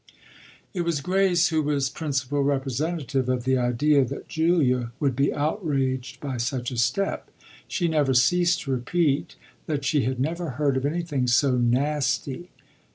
It was Grace who was principal representative of the idea that Julia would be outraged by such a step; she never ceased to repeat that she had never heard of anything so "nasty."